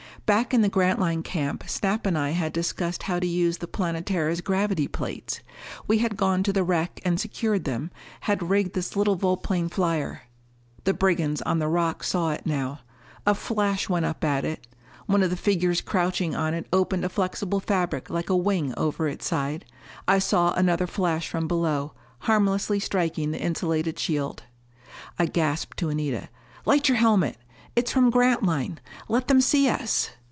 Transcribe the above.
Back in the Grantline camp Snap and I had discussed how to use the Planetara's gravity plates. We had gone to the wreck and secured them, had rigged this little volplane flyer.... The brigands on the rocks saw it now. A flash went up at it. One of the figures crouching on it opened a flexible fabric like a wing over its side. I saw another flash from below, harmlessly striking the insulated shield. I gasped to Anita, "Light your helmet! It's from Grantline! Let them see us!"